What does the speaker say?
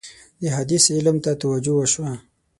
د حدیث علم ته توجه وشوه.